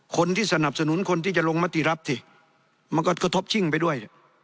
คนที่สนับสนุนคนที่จะลงมติรับสิมันก็กระทบชิ่งไปด้วย